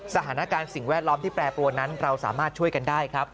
สถานการณ์สิ่งแวดล้อมที่แปรปรวนนั้นเราสามารถช่วยกันได้ครับ